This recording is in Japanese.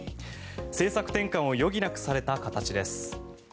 政策転換を余儀なくされた形です。